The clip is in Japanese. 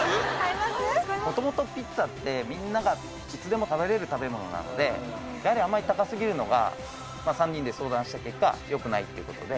もともとピザってみんながいつでも食べれる食べ物なのでやはりあんまり高すぎるのが３人で相談した結果良くないっていう事で。